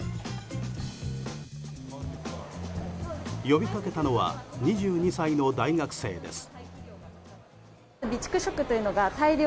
呼びかけたのは２２歳の大学生です。